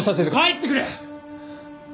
帰ってくれ！